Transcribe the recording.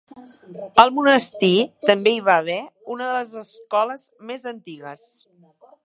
Al monestir també hi va haver una de les escoles més antigues.